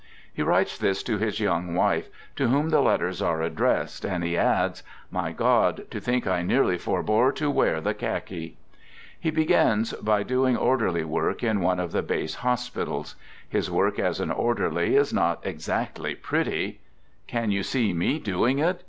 He writes this to his young wife, to whom the letters are addressed, and he adds :" My God, to think I nearly forebore to wear the khaki !" He begins by doing orderly work in one of the base hospitals. His work as an orderly is not ex actly pretty. " Can you see me doing it?